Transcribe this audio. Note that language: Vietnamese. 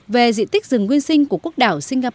về diện tích rừng nguyên sinh của quốc đảo singapore